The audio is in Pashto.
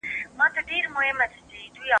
ما غوښتل هغې ته ووایم چې ته ډېره نېکه نجلۍ یې.